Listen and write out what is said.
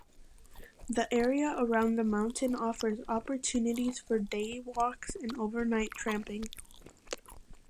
The area around the mountain offers opportunities for day walks and overnight tramping.